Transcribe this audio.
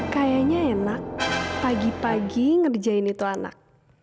kayaknya enak pagi pagi ngerjain itu anak